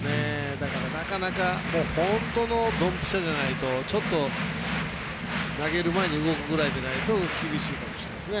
だから、なかなか本当のドンピシャじゃないとちょっと投げる前に動くぐらいでないと厳しいかもしれないですね。